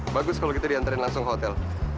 bagus kalau gitu diantarin langsung hotel